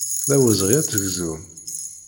D awezɣi ad tegzum.